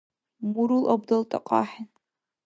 Мурул абдал тӀакьа axӀeн.